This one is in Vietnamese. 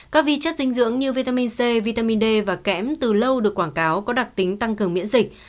các vi chất dinh dưỡng như vitamin c vitamin d và kẽm từ lâu được quảng cáo có đặc tính tăng cường miễn dịch